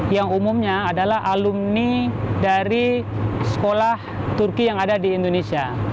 yang umumnya adalah alumni dari sekolah turki yang ada di indonesia